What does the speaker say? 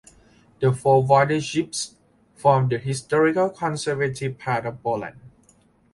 The four Voivodeships form the "historically conservative" part of Poland.